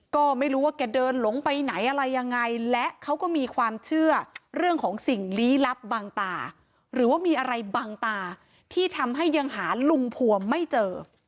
ก็ไม่รู้ว่าแกเดินหลงไปไหนอะไรยังไงและเขาก็มีความเชื่อเรื่องของสิ่งลี้ลับบางตาหรือว่ามีอะไรบางตาที่ทำให้ยังหาลุงพวงไม่เจอ